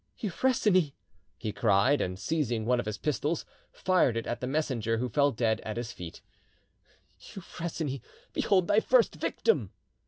"Euphrosyne!" he cried, and, seizing one of his pistols, fired it at the messenger, who fell dead at his feet,—"Euphrosyne, behold thy first victim!"